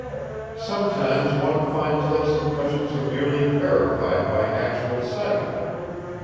"Sometimes one finds those impressions are merely verified by actual sight.